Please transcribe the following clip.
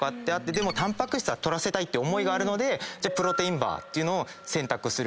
でもタンパク質は取らせたいって思いがあるのでプロテインバーを選択する。